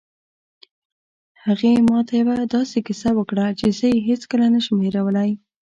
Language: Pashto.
هغې ما ته یوه داسې کیسه وکړه چې زه یې هېڅکله نه شم هیرولی